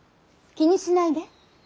気にしないで。